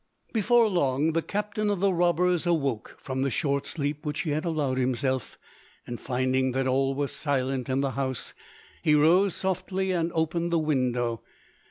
] Before long the captain of the robbers awoke from the short sleep which he had allowed himself, and finding that all was silent in the house, he rose softly and opened the window.